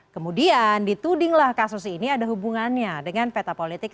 kemudian ditudinglah kasus ini ada hubungannya dengan peta politik